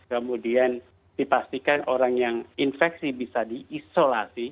kemudian dipastikan orang yang infeksi bisa diisolasi